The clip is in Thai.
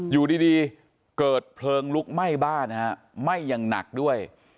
อยู่ดีเกิดเพลิงลุกไหม้บ้านฮะไหม้อย่างหนักด้วย